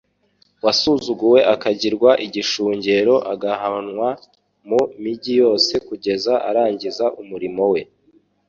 wasuzuguwe akagirwa igishungero, agahahanwa mu mijyi yose kugeza arangiza umurimo we,